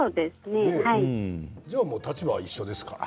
じゃあ立場は一緒ですから。